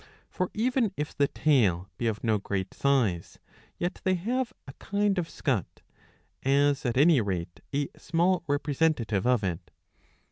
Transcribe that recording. For, even if the tail be of no great size, yet they have a kind of scut; as at any rate a small repre sentative of it.